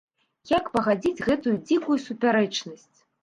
Як пагадзіць гэтую дзікую супярэчнасць?